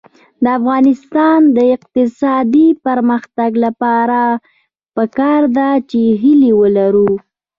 د افغانستان د اقتصادي پرمختګ لپاره پکار ده چې هیلې ولرو.